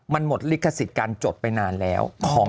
มันหมดลิขสิทธิ์การจดไปนานแล้ว